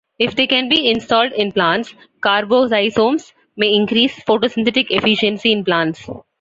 If they can be installed in plants, carboxysomes may increase photosynthetic efficiency in plants.